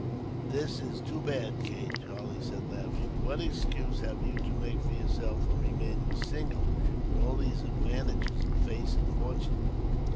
"This is too bad, Kate," Charlie said, laughing. "What excuse have you to make for yourself for remaining single, with all these advantages of face and fortune?"